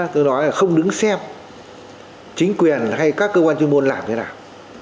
tôi nói là không đứng xem chính quyền hay các cơ quan chuyên môn làm thế nào